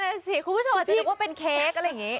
นั่นสิคุณผู้ชมอาจจะนึกว่าเป็นเค้กอะไรอย่างนี้